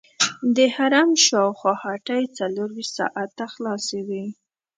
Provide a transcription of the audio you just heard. د حرم شاوخوا هټۍ څلورویشت ساعته خلاصې وي.